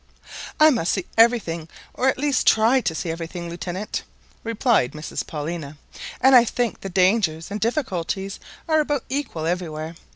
"I must see everything or at least try to see everything, Lieutenant," replied. Mrs Paulina; "and I think the dangers and difficulties are about equal everywhere.